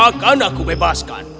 akan aku bebaskan